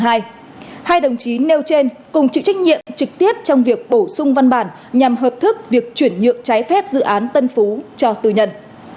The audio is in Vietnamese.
hai đồng chí nêu trên cùng chịu trách nhiệm trực tiếp trong việc bổ sung văn bản nhằm hợp thức việc chuyển nhượng trái phép dự án tân phú cho tư nhân